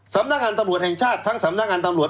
สำนักงานตำรวจแห่งชาติทั้งสำนักงานตำรวจ